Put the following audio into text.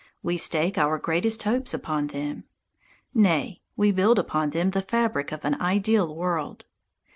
We stake our greatest hopes upon them. Nay, we build upon them the fabric of an ideal world.